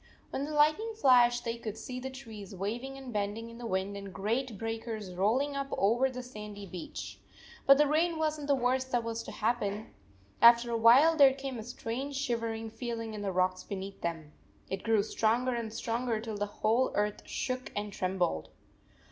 When the lightning flashed, they could see the trees waving and bending in the wind and great breakers rolling up over the sandy beach. But the rain was n t the worst that was to happen. After a while there came a strange shivering feeling in the rocks beneath them. It grew stronger and stronger till the whole earth shook and trembled.